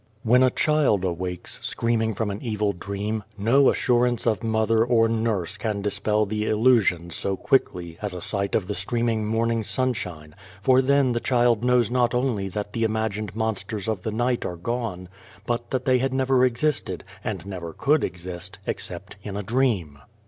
When a child awakes, screaming from an evil dream, no assurance of mother or nurse can dispel the illusion so quickly as a sight of the streaming morning sunshine, for then the child knows not only that the imagined monsters of the night are gone, but that they had never existed, and never could exist, except in a dream.